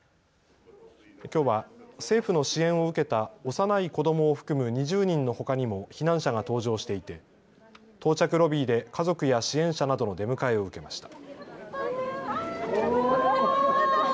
きょうは政府の支援を受けた幼い子どもを含む２０人のほかにも避難者が搭乗していて到着ロビーで家族や支援者などの出迎えを受けました。